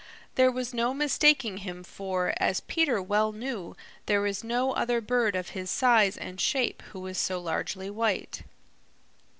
There was no mistaking him, for, as Peter well knew, there is no other bird of his size and shape who is so largely white.